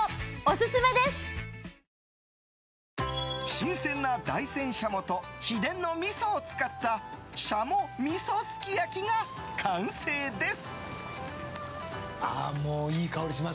新鮮な大山軍鶏と秘伝のみそを使った軍鶏味噌すき焼きが完成です。